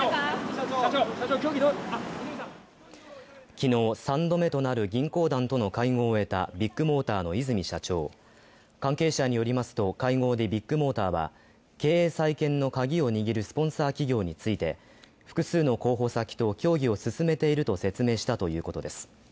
昨日、３度目となる銀行団との会合を終えたビッグモーターの和泉社長関係者によりますと、会合でビッグモーターは経営再建のカギを握るスポンサー企業について複数の候補先と協議を進めていると説明したということです。